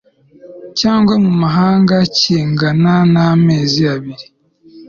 cyangwa mu mahanga kingana n amezi abiri